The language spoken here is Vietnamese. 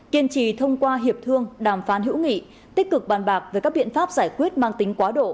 kiên trì thông qua hiệp thương đàm phán hữu nghị tích cực bàn bạc về các biện pháp giải quyết mang tính quá độ